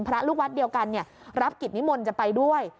พระลูกวัดเดียวกันรับกิจนิมนต์จะไปด้วย